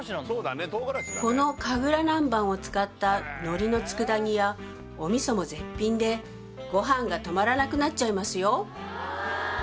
このかぐら南蛮を使ったのりの佃煮やお味噌も絶品でごはんが止まらなくなっちゃいますよ